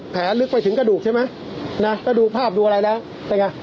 แผลลึกไปถึงกระดูกใช่ไหมนะถ้าดูภาพดูอะไรนะเป็นไง